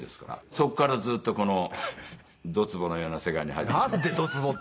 「そこからずっとドツボのような世界に入ってしまって」